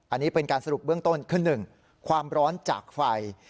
อันนี้เป็นการสรุปเบื้องต้นคือ๑ความร้อนจากไฟ